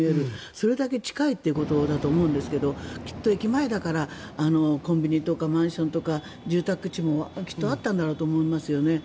それだけ近いということだと思うんですけどきっと駅前だからコンビニとかマンションとか住宅地もきっとあったんだろうと思いますよね。